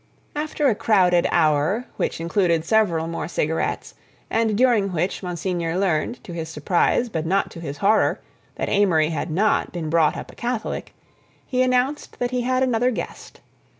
After a crowded hour which included several more cigarettes, and during which Monsignor learned, to his surprise but not to his horror, that Amory had not been brought up a Catholic, he announced that he had another guest.